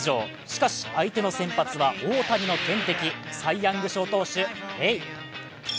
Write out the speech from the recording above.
しかし相手の先発は大谷の天敵、サイ・ヤング賞投手、レイ。